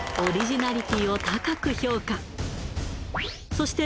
そして